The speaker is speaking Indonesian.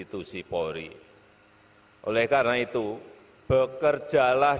tukar senjata rakyat